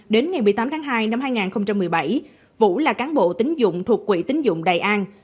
đến ngày một mươi tám tháng hai năm hai nghìn một mươi bảy vũ là cán bộ tính dụng thuộc quỹ tính dụng đại an